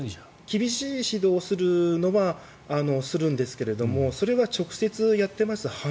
厳しい指導するのはするんですけどもそれが直接やってます